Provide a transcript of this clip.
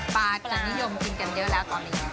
ปลาก็เลยนิยมกินกันเยอะแล้วตอนนี้